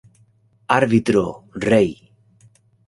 Árbitro: Rey.